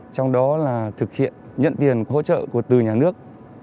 trong đó là thực hiện nhận tiền hỗ trợ của từ nhà nước